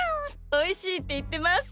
おいしいっていってます。